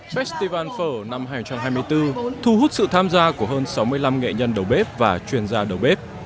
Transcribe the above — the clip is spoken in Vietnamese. festival phở năm hai nghìn hai mươi bốn thu hút sự tham gia của hơn sáu mươi năm nghệ nhân đầu bếp và chuyên gia đầu bếp